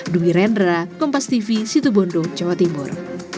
dwi rendra kompas tv situ bondo jawa timur